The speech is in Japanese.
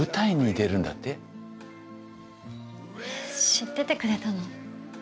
えっ知っててくれたの？